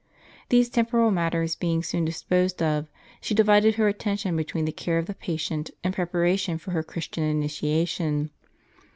These temporal matters being soon disposed of, she divided her attention between the care of the patient and preparation for her Christian initiation.